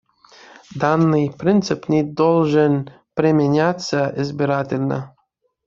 Данный принцип не должен применяться избирательно.